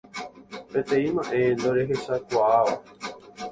Peteĩ ma'ẽ nderechakuaáva